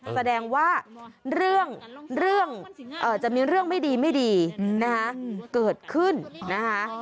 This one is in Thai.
แสดงว่าจะมีเรื่องไม่ดีเกิดขึ้นนะคะ